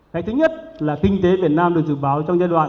cái thứ nhất là kinh tế việt nam được dự báo trong giai đoạn